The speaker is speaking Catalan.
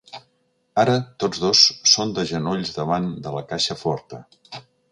Ara tots dos són de genolls davant de la caixa forta.